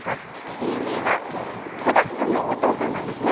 永明は子だくさんのお父さんなんですね。